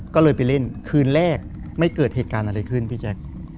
ก็เลยไปเล่นคืนแรกไม่เกิดเหตุการณ์อะไรขึ้นพี่แจ๊ค